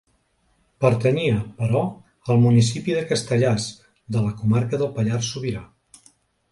Pertanyia, però, al municipi de Castellàs, de la comarca del Pallars Sobirà.